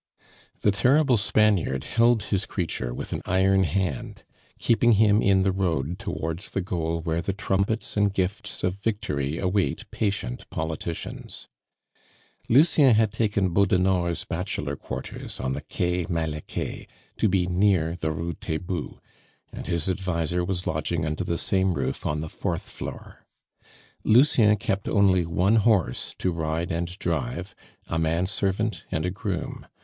The terrible Spaniard held his creature with an iron hand, keeping him in the road towards the goal where the trumpets and gifts of victory await patient politicians. Lucien had taken Beaudenord's bachelor quarters on the Quai Malaquais, to be near the Rue Taitbout, and his adviser was lodging under the same roof on the fourth floor. Lucien kept only one horse to ride and drive, a man servant, and a groom.